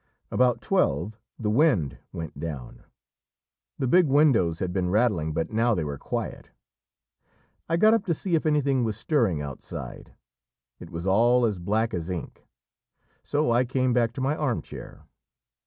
About twelve the wind went down; the big windows had been rattling, but now they were quiet. I got up to see if anything was stirring outside. It was all as black as ink; so I came back to my arm chair.